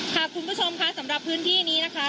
คุณผู้ชมค่ะสำหรับพื้นที่นี้นะคะ